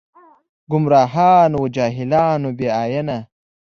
ګمراهان و جاهلان و بې ائينه